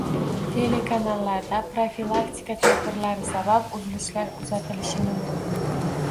Telekanallarda profilaktika tadbirlari sabab uzilishlar kuzatilishi mumkin